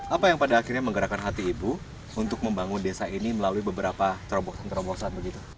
apa yang pada akhirnya menggerakkan hati ibu untuk membangun desa ini melalui beberapa terobosan terobosan begitu